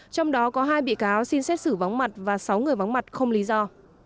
trong đó có hai bị cáo xin xét xử vắng mặt và sáu người vắng mặt không lý do